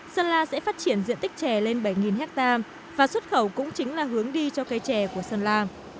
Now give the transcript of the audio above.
sơn la sẽ phát triển diện tích chè lên bảy hectare và xuất khẩu cũng chính là hướng đi cho cây chè của sơn la